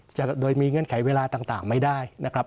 จะโดยมีเงื่อนไขเวลาต่างไม่ได้นะครับ